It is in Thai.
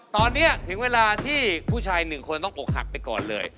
ตอนนี้ถึงเวลาที่ผู้ชายหนึ่งคนต้องอกหักไปก่อนเลย